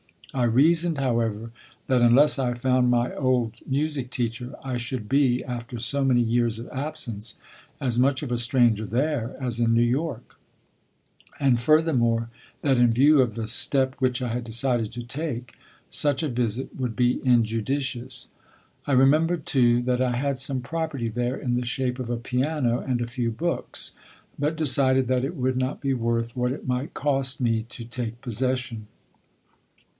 I reasoned, however, that unless I found my old music teacher, I should be, after so many years of absence, as much of a stranger there as in New York; and, furthermore, that in view of the step which I had decided to take, such a visit would be injudicious. I remembered, too, that I had some property there in the shape of a piano and a few books, but decided that it would not be worth what it might cost me to take possession.